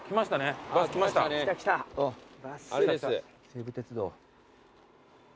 西武鉄道。